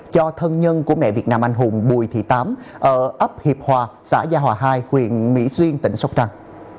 cho thân nhân của mẹ việt nam anh hùng bùi thị tám ở ấp hiệp hòa xã gia hòa hai huyện mỹ xuyên tỉnh sóc trăng